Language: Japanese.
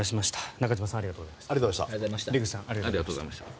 中島さん、出口さんありがとうございました。